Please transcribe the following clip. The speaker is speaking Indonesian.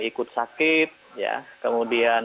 ikut sakit kemudian